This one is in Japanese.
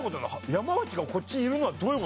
山内がこっちにいるのはどういう事？